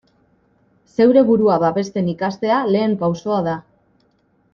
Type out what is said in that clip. Zeure burua babesten ikastea lehen pausoa da.